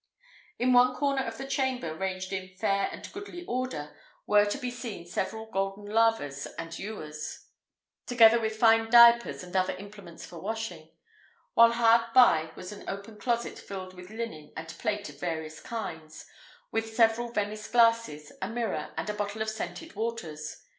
In one corner of the chamber, ranged in fair and goodly order, were to be seen several golden lavers and ewers, together with fine diapers and other implements for washing; while hard by was an open closet filled with linen and plate of various kinds, with several Venice glasses, a mirror, and a bottle of scented waters.